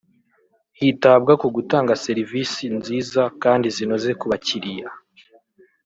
hitabwa ku gutanga serivisi nziza kandi zinoze ku bakiliya